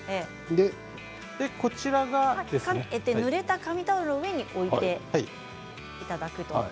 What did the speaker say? こちらをぬれた紙タオルの上に置いていただく。